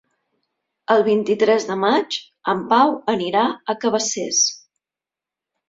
El vint-i-tres de maig en Pau anirà a Cabacés.